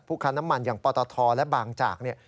ผู้ค้าน้ำมันอย่างปตทและบางจาก